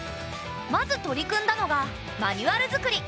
まず取り組んだのがマニュアル作り。